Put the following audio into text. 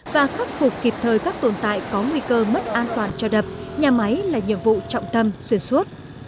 và khắc phục kịp thời các tồn tại có nguy cơ mất an toàn cho đập nhà máy là nhiệm vụ trọng tâm xuyên suốt